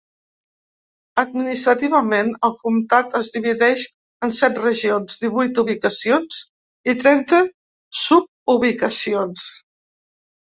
Administrativament, el comtat es divideix en set regions, divuit ubicacions i trenta sububicacions.